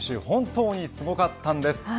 本当にすごかったんです。